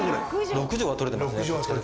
６帖は取れてますね。